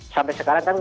sampai sekarang kan